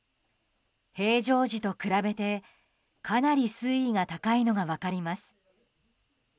平常時と比べてかなり水位が高いのが分かります。